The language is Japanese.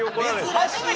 珍しい！